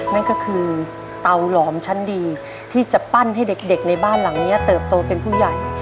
นั่นก็คือเตาหลอมชั้นดีที่จะปั้นให้เด็กในบ้านหลังนี้เติบโตเป็นผู้ใหญ่